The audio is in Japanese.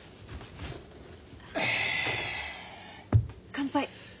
乾杯。